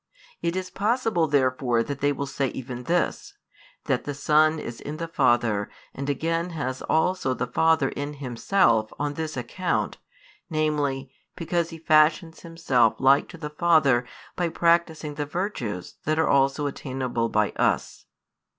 It is possible therefore that they will say even this, that the Son is in the Father and again has also the Father in Himself on this account, namely, because He fashions Himself like to the Father by practising the virtues that are also attainable by us.